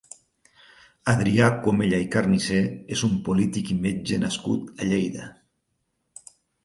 Adrià Comella i Carnicé és un polític i metge nascut a Lleida.